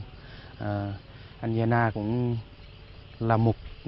vì vậy anh gia na cũng là một